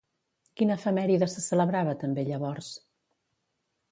Quina efemèride se celebrava també llavors?